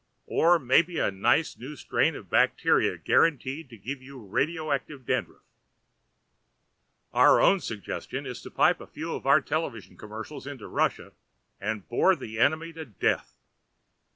Or maybe a nice new strain of bacteria guaranteed to give you radio active dandruff. Our own suggestion is to pipe a few of our television commercials into Russia and bore the enemy to death.